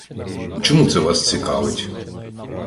Чому це вас цікавить?